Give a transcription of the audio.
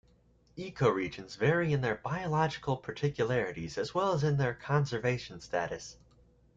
Ecoregions vary in their biological particularities, as well as in their conservation status.